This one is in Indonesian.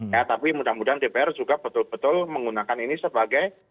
ya tapi mudah mudahan dpr juga betul betul menggunakan ini sebagai